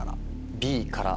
Ｂから。